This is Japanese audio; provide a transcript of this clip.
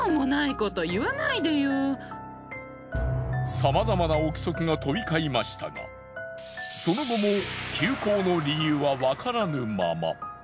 様々な憶測が飛び交いましたがその後も休校の理由はわからぬまま。